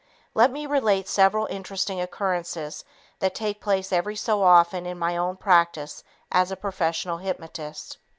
Let me relate several interesting occurrences that take place every so often in my own practice as a professional hypnotist.